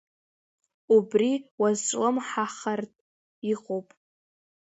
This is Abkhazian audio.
Убри уазҿлымҳахартә иҟоуп.